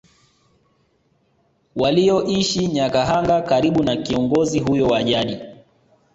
Walioishi Nyakahanga karibu na kiongozi huyo wa jadi